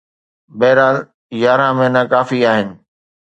بهرحال، يارهن مهينا ڪافي آهن.